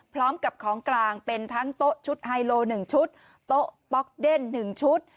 พร้อมกับของกลางเป็นทั้งโต๊ะชุดไฮโล๑ชุดโต๊ะป๊อกเดน๑ชุด